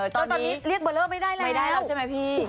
ตอนนี้เรียกเบอร์เลอร์ไม่ได้แล้วไม่ได้แล้วใช่ไหมพี่